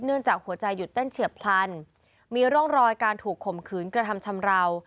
จากหัวใจหยุดเต้นเฉียบพลันมีร่องรอยการถูกข่มขืนกระทำชำราว